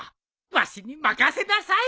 わしに任せなさい！